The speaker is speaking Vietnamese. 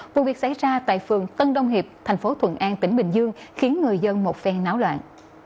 vụ việc xảy ra tại phường tân đông hiệp thành phố thuận an tỉnh bình dương khiến người dân một phen náo loạn